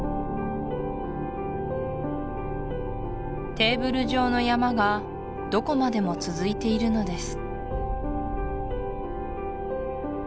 テーブル状の山がどこまでも続いているのです